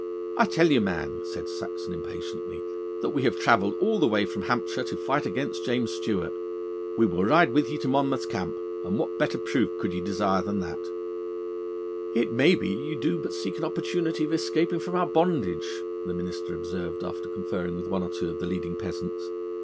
'I tell you, man,' said Saxon impatiently, 'that we have travelled all the way from Hampshire to fight against James Stuart. We will ride with ye to Monmouth's camp, and what better proof could ye desire than that?' 'It may be that ye do but seek an opportunity of escaping from our bondage,' the minister observed, after conferring with one or two of the leading peasants.